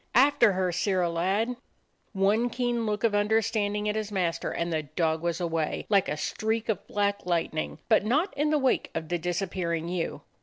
"After her, Sirrah lad!" One keen look of understanding at his mas ter, and the dog was away, like a streak of black lightning; but not in the wake of the disappearing ewe.